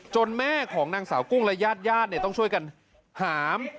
แม่ของนางสาวกุ้งและญาติญาติต้องช่วยกันหาม